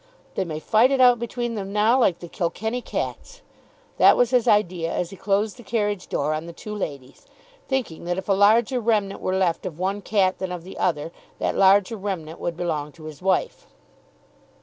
"They may fight it out between them now like the Kilkenny cats." That was his idea as he closed the carriage door on the two ladies, thinking that if a larger remnant were left of one cat than of the other that larger remnant would belong to his wife.